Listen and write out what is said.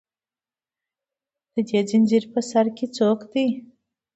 د دې زنځیر په سر کې څوک دي